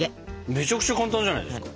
めちゃくちゃ簡単じゃないですか？